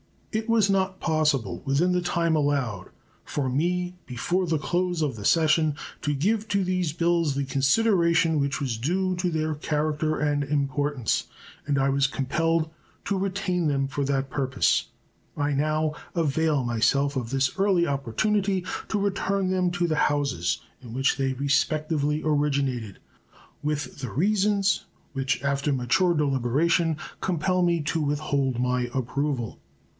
It was not possible within the time allowed for me before the close of the session to give to these bills the consideration which was due to their character and importance, and I was compelled to retain them for that purpose. I now avail myself of this early opportunity to return them to the Houses in which they respectively originated with the reasons which, after mature deliberation, compel me to withhold my approval.